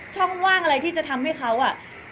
ช่องว่างอะไรที่จะทำให้เขาอ่ะ